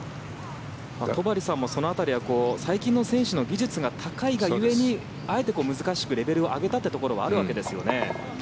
戸張さんもその辺りは最近の選手の技術が高いが故にあえて難しくレベルを上げたところがあるわけですよね。